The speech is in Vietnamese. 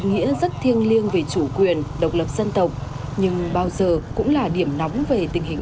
nghĩa rất thiêng liêng về chủ quyền độc lập dân tộc nhưng bao giờ cũng là điểm nóng về tình hình